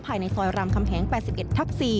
ภายในซอยรามคำแหง๘๑ทับ๔